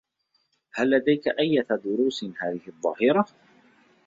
هل لديكِ أيّة دروس هذه الظّهيرة؟